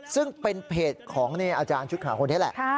ซึ่งเป็นเพจของอาจารย์ชุดขาวคนนี้แหละ